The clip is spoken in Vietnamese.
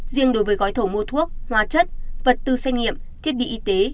riêng đối với gói thầu mua thuốc hóa chất vật tư xét nghiệm thiết bị y tế